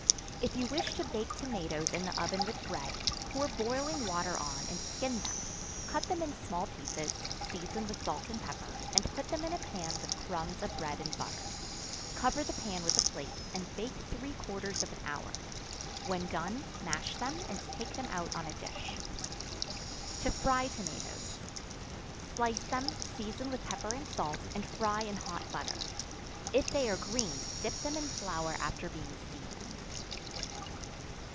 If you wish to bake tomatoes in the oven with bread, pour boiling water on, and skin them; cut them in small pieces; season with salt and pepper, and put them in a pan with crumbs of bread and butter; cover the pan with a plate, and bake three quarters of an hour; when done, mash them and take them out on a dish. To Fry Tomatoes. Slice them, season with pepper and salt, and fry in hot butter; if they are green, dip them in flour after being seasoned.